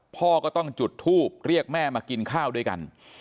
พ่อก็ต้องจุดทูบเรียกแม่มากินข้าวด้วยกัน